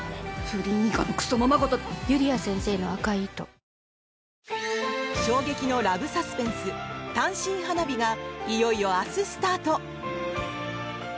そして文部科学省は今日衝撃のラブサスペンス「単身花日」がいよいよ明日スタート。